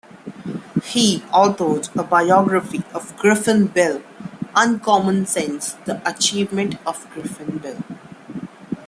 He authored a biography of Griffin Bell, "Uncommon Sense: The Achievement of Griffin Bell".